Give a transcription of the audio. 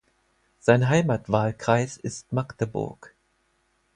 Sein Heimatwahlkreis ist Magdeburg.